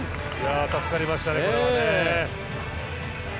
助かりましたね、これは。